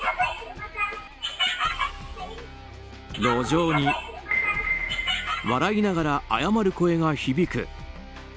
路上に笑いながら謝る声が響く。